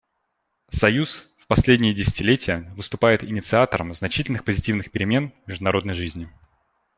Союз в последние десятилетия выступает инициатором значительных позитивных перемен в международной жизни.